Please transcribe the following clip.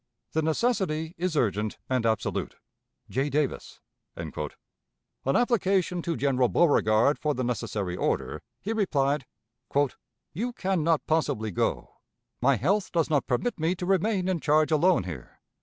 The necessity is urgent and absolute. "J. DAVIS." On application to General Beauregard for the necessary order, he replied: "You can not possibly go. My health does not permit me to remain in charge alone here.